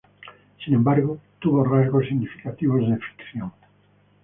Sin embargo, hubo rasgos significativos de ficción.